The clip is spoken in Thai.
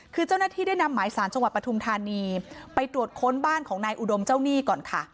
คือเจ้าหน้าที่ได้นำหมายสารจังหวัดปทุมธานีไปตรวจค้นบ้านของนายอุดมเจ้าหนี้ก่อนค่ะ